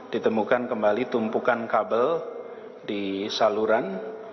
ditemukan kembali tumpukan kabel di saluran